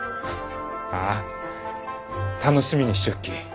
ああ楽しみにしちょっき。